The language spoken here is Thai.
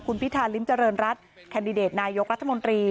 คุณพิธาริมเจริญรัฐแคนดิเดตนายกรัฐมนตรี